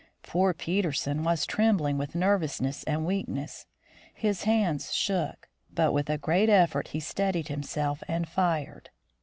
Poor Peterson was trembling with nervousness and weak ness. His hands shook, but with a great effort he steadied himself and fired.